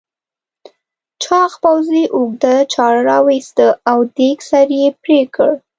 چاغ پوځي اوږده چاړه راوایسته او دېگ سر یې پرې کړ.